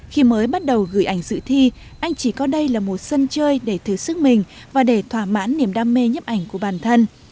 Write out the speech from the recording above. khi mới bắt đầu gửi ảnh dự thi anh chỉ coi đây là một sân chơi để thử sức mình và để thỏa mãn niềm đam mê nhấp ảnh của bản thân